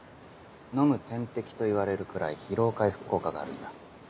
飲む点滴といわれるくらい疲労回復効果があるんだ。